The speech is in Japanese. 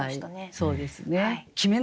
そうですね。